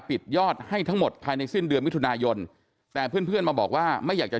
ปิดยอดให้ทั้งหมดภายในสิ้นเดือนมิถุนายนแต่เพื่อนเพื่อนมาบอกว่าไม่อยากจะ